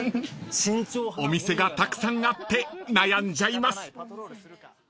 ［お店がたくさんあって悩んじゃいます］